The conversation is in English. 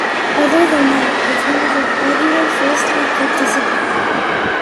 Other than that, the team is a regular first league participant.